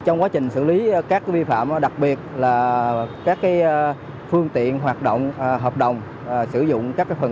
trong quá trình xử lý các vi phạm đặc biệt là các phương tiện hoạt động hợp đồng sử dụng các phần